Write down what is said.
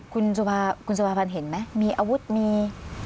คุณสุภาพันธ์เห็นไหมมีอาวุธมี